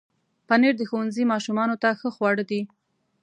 پنېر د ښوونځي ماشومانو ته ښه خواړه دي.